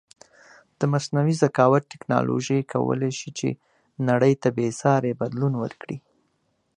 د مصنوعې زکاوت ټکنالوژی کولی شې چې نړی ته بیساری بدلون ورکړې